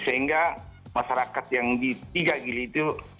sehingga masyarakat yang di tiga gili itu